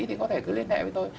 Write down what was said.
thì có thể cứ liên hệ với tôi